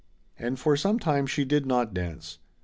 And for some time she did not dance.